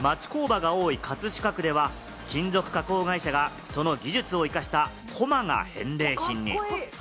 また町工場が多い葛飾区では、金属加工会社が、その技術を生かした駒が返礼品に。